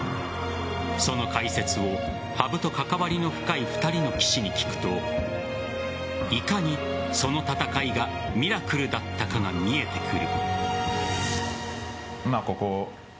その解説を羽生と関わりの深い２人の棋士に聞くといかにその戦いがミラクルだったかが見えてくる。